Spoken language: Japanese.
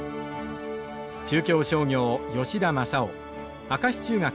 中京商業吉田正男明石中学